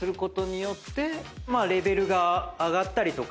レベルが上がったりとか。